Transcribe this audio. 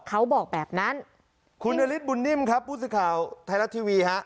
เขาบอกแบบนั้นคุณนฤทธบุญนิ่มครับผู้สื่อข่าวไทยรัฐทีวีฮะ